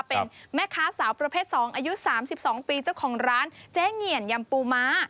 เป็นแม่ค้าสาวประเภท๒อายุ๓๒ปีเจ้าของร้านเจ๊เหงียนยำปูม้า